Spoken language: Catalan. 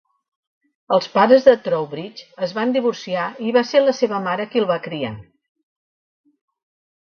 Els pares de Trowbridge es van divorciar i va ser la seva mare qui el va criar.